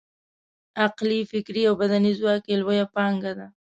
عقلي، فکري او بدني ځواک یې لویه پانګه ده.